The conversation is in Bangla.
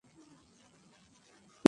কিন্তু ছাত্ররা তাকে ভালোবাসে।